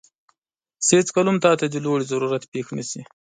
چې هیڅکله هم تاته د لوړې ضرورت پېښ نه شي،